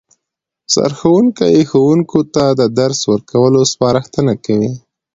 سرښوونکی ښوونکو ته د درس ورکولو سپارښتنه کوي